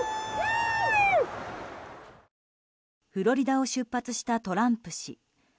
フロリダを出発したトランプ氏。